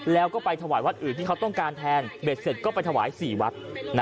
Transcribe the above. แล้วก็ไปถวายวัดอื่นที่เขาต้องการแทนเบ็ดเสร็จก็ไปถวาย๔วัด